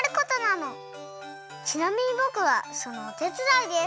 ちなみにぼくはそのおてつだいです。